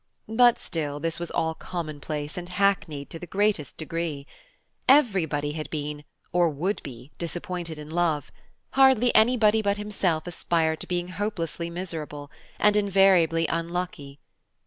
But still this was all common place and hackneyed to the greatest degree. Everybody had been, or would be, disappointed in love; hardly anybody but himself aspired to being hopelessly miserable, and invariably unlucky.